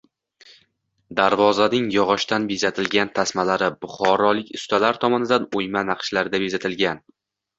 Darvozaning yog‘ochdan bezatilgan tasmalari buxorolik ustalar tomonidan o‘yma naqshlarda bezatilgan